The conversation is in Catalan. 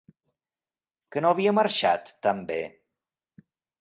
Que no havia marxat, també?